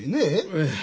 ええ。